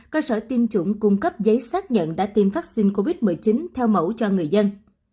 cơ sở tiêm chủng cung cấp giấy xác nhận đã tiêm vaccine covid một mươi chín theo mẫu cho người dân